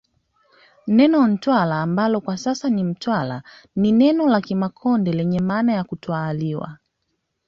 Neno Ntwara ambalo kwa sasa Mtwara ni neno la Kimakonde lenye maana ya kutwaaliwa